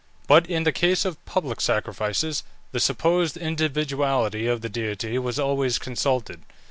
But in the case of public sacrifices, the supposed individuality of the deity was always consulted.